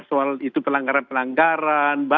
soal itu pelanggaran pelanggaran